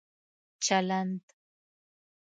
چلند